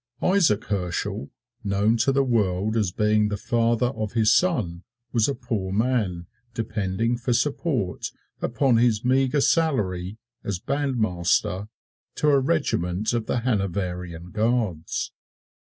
Isaac Herschel, known to the world as being the father of his son, was a poor man, depending for support upon his meager salary as bandmaster to a regiment of the Hanoverian Guards.